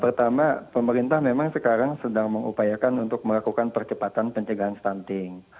pertama pemerintah memang sekarang sedang mengupayakan untuk melakukan percepatan pencegahan stunting